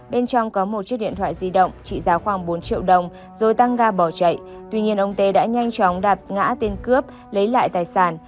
bên trong có một chiếc điện thoại di động trị giá khoảng bốn triệu đồng rồi tăng ga bỏ chạy tuy nhiên ông tê đã nhanh chóng đạp ngã tên cướp lấy lại tài sản